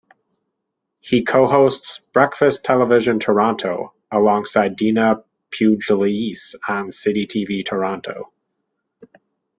He co-hosts "Breakfast Television Toronto" alongside Dina Pugliese on Citytv Toronto.